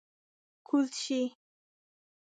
کوز شئ!